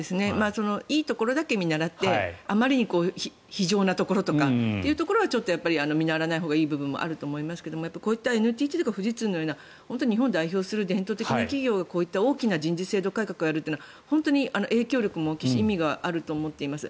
いいところだけ見習ってあまりに非情なところとかはちょっと見習わないほうがいい部分もありますがこういったＮＴＴとか富士通のような日本を代表する伝統的な企業が大規模な人事改革をするというのは本当に影響力も大きいし意味があると思っています。